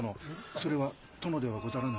それは殿ではござらぬ。